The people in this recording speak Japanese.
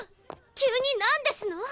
急になんですの？